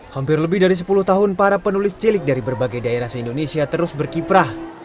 hampir lebih dari sepuluh tahun para penulis cilik dari berbagai daerah se indonesia terus berkiprah